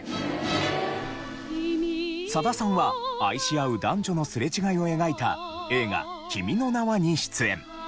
佐田さんは愛し合う男女のすれ違いを描いた映画『君の名は』に出演。